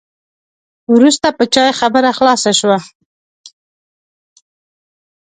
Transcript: وروسته په چای خبره خلاصه شوه.